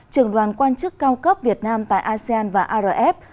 trường đoàn quan chức cao cấp việt nam tại asean và arf